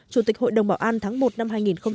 chủ tịch hội đồng bảo an tháng một năm hai nghìn hai mươi